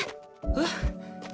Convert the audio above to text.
えっ？